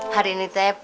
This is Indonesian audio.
hari ini teh